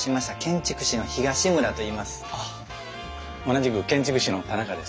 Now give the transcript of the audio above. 同じく建築士の田中です。